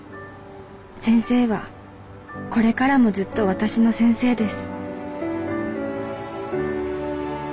先生はこれからもずっと私の先生です」。